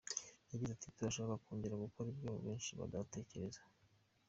Yagize ati “Turashaka kongera gukora ibyo benshi badatekereza.